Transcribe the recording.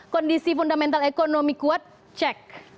kondisi fundamental ekonomi kuat cek